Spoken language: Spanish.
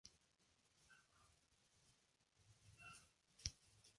Sarasota demostró ser un clima particularmente adecuado para la arquitectura de planta abierta.